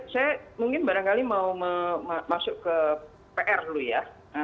saya mungkin barangkali mau masuk ke pr dulu ya